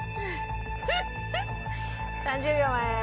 ３０秒前。